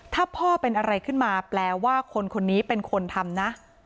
ถ้าพ่อเป็นอะไรขึ้นมาแปลว่าคนคนนี้เป็นคนทำนะ